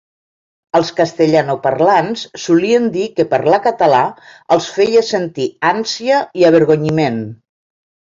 Els castellanoparlants solien dir que parlar català els feia sentir ànsia i avergonyiment.